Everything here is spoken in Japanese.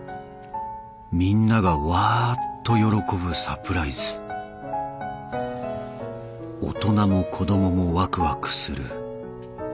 みんながわっと喜ぶサプライズ大人も子供もワクワクする。